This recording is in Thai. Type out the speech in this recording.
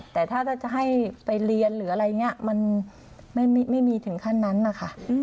แต่ถ้าจะให้ไปเรียนหรืออะไรอย่างนี้มันไม่มีถึงขั้นนั้นนะคะ